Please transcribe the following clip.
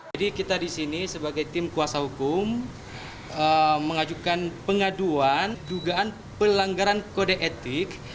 jadi kita disini sebagai tim kuasa hukum mengajukan pengaduan dugaan pelanggaran kode etik